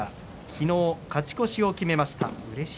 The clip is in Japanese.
昨日、勝ち越しを決めました。